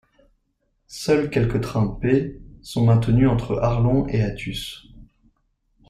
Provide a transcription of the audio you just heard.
Seuls quelques trains P sont maintenus entre Arlon et Athus.